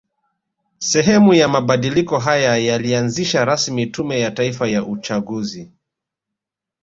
Sehemu ya mabadiliko haya yalianzisha rasmi Tume ya Taifa ya Uchaguzi